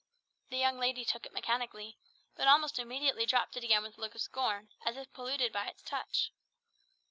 The young lady took it mechanically, but almost immediately dropped it again with a look of scorn, as if polluted by its touch.